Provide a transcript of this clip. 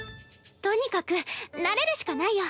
とにかく慣れるしかないよ。